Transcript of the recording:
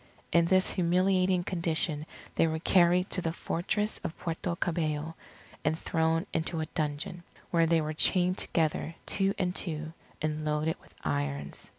In this humiliating condition they were carried to the Fortress of Puerto Cabello, and thrown into a dungeon; where they were chained together, two and two, and loaded with irons.